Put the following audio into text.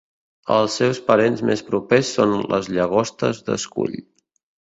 Els seus parents més propers són les llagostes d'escull.